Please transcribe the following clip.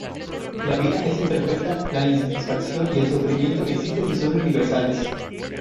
La vida es imperfecta, la insatisfacción y el sufrimiento existen y son universales.